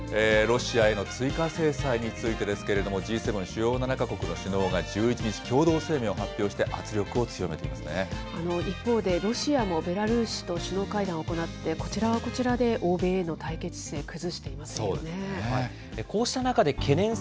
ロシアへの追加制裁についてですけれども、Ｇ７・主要７か国の首脳が１１日、共同声明を発表して、圧力を強め一方で、ロシアもベラルーシと首脳会談を行って、こちらはこちらで欧米へそうですね。